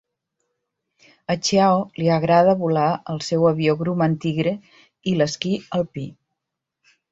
A Chiao li agrada volar el seu avió Grumman Tigre, i l'esquí alpí.